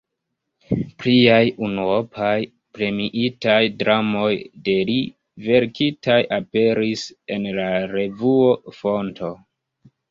Pliaj unuopaj premiitaj dramoj de li verkitaj aperis en la revuo "Fonto".